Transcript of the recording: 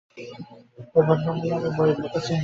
এই ভদ্রমহিলা আমার বই রেখেছেন লুকিয়ে।